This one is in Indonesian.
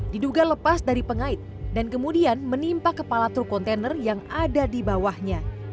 diduga lepas dari pengait dan kemudian menimpa kepala truk kontainer yang ada di bawahnya